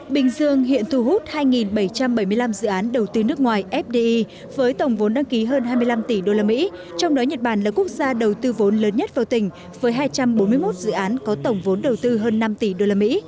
bình dương hiện thu hút hai bảy trăm bảy mươi năm dự án đầu tư nước ngoài fdi với tổng vốn đăng ký hơn hai mươi năm tỷ usd trong đó nhật bản là quốc gia đầu tư vốn lớn nhất vào tỉnh với hai trăm bốn mươi một dự án có tổng vốn đầu tư hơn năm tỷ usd